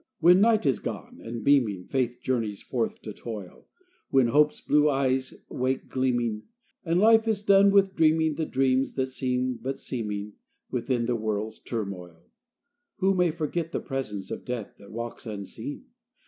When night is gone and, beaming, Faith journeys forth to toil; When hope's blue eyes wake gleaming, And life is done with dreaming The dreams that seem but seeming Within the world's turmoil: Who may forget the presence Of death that walks unseen?